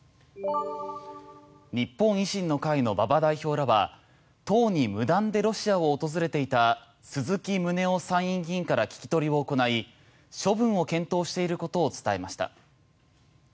日本維新の会の馬場代表らは党に無断でロシアを訪れていた鈴木宗男参院議員から聞き取りを行い処分を検討していることを伝えました。